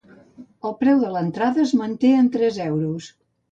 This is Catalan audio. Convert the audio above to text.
El preu de l’entrada es manté en tres euros.